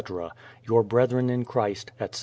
Your brethren in Christ, etc.